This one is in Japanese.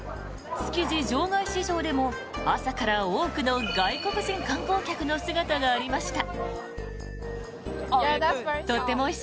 築地場外市場でも朝から多くの外国人観光客の姿がありました。